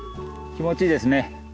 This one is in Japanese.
気持ちいいですね。